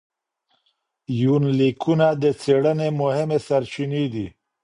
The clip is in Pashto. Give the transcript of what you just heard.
يونليکونه د څېړنې مهمې سرچينې دي.